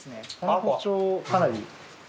この包丁かなり。